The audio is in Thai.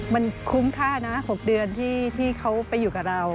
มันคุ้มค่านะ๖เดือนที่เขาไปอยู่กับเรา